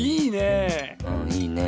いいねえ。